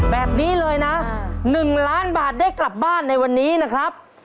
แบบนี้เลยนะ๑ล้านบาทได้กลับบ้านในวันนี้นะครับ